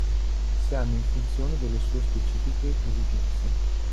Si hanno in funzione delle sue specifiche esigenze.